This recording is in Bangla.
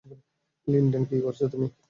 লিন্ডেন, কী করছো তুমি?